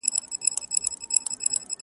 زیارت وتاته نه رسیږي!!